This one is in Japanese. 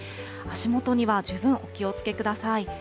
足元には十分お気をつけください。